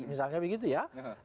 misalnya begitu ya